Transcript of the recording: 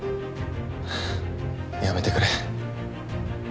やめてくれ。